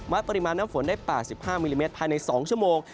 ปริมาณน้ำฝนได้๘๕มิลลิเมตรภายใน๒ชั่วโมง